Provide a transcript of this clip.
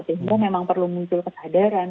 sehingga memang perlu muncul kesadaran